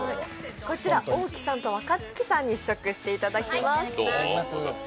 こちら、大木さんと若槻さんに試食していただきます。